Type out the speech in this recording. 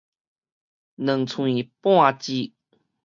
兩喙半舌